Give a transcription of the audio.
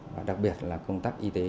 và đặc biệt là công tác y tế